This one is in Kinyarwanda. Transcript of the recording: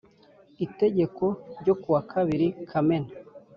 itegeko ryo kuwa kabiri Kamena